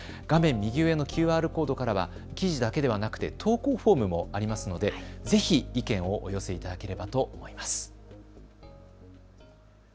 画面右上のＱＲコードからは記事だけではなくて投稿フォームもありますのでぜひ意見をお寄せいただければと思います。